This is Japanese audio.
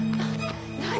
何？